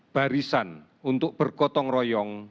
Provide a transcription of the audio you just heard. garisan untuk bergotong royong